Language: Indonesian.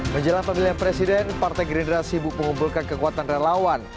menjelang pilihan presiden partai grindra sibuk mengumpulkan kekuatan relawan